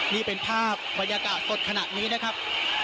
นี่เป็นภาพบรรยากาศสดขนาดนี้นะครับ